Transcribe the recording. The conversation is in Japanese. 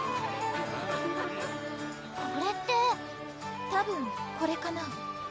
これってたぶんこれかな？